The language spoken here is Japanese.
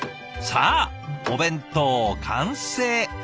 さあお弁当完成。